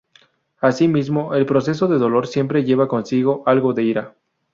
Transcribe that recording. Asimismo, el proceso del dolor siempre lleva consigo algo de ira.